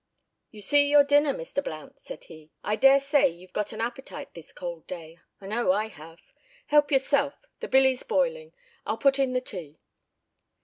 "You see your dinner, Mr. Blount," said he. "I daresay you've got an appetite this cold day; I know I have. Help yourself, the billy's boiling, I'll put in the tea."